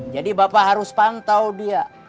jadi bapak harus pantau dia